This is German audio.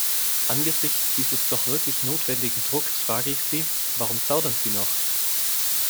Angesichts dieses doch wirklich notwendigen Drucks frage ich Sie, warum zaudern Sie noch?